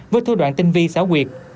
với thư đoạn tinh vi xáo quyệt